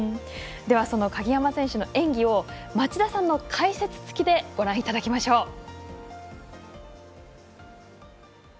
その鍵山選手の演技を町田さんの解説つきでご覧いただきましょう。